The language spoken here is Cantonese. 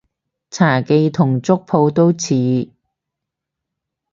茶記同粥舖都似